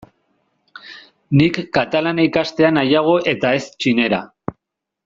Nik katalana ikastea nahiago eta ez txinera.